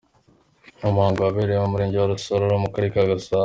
Ni umuhango wabereye mu murenge wa Rusororo mu karere ka Gasabo.